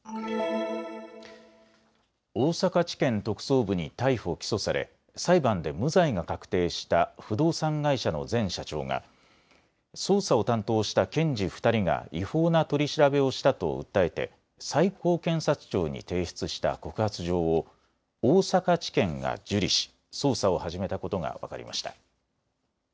大阪地検特捜部に逮捕・起訴され裁判で無罪が確定した不動産会社の前社長が捜査を担当した検事２人が違法な取り調べをしたと訴えて最高検察庁に提出した告発状を大阪地検が受理し捜査を始めたことが分かりました。